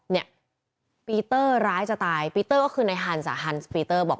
เนี่ยปีเตอร์ร้ายจะตายปีเตอร์ก็คือนายฮันสาฮันสปีเตอร์บอก